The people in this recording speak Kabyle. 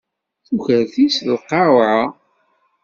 Tukert-it lqawɛa.